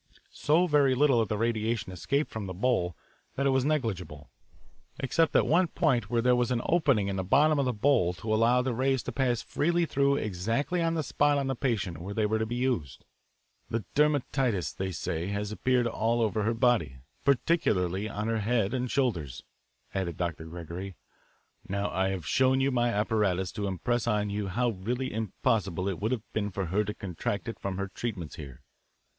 So very little of the radiation escaped from the bowl that it was negligible except at one point where there was an opening in the bottom of the bowl to allow the rays to pass freely through exactly on the spot on the patient where they were to be used. "The dermatitis, they say, has appeared all over her body, particularly on her head and shoulders," added Dr. Gregory. "Now I have shown you my apparatus to impress on you how really impossible it would have been for her to contract it from her treatments here.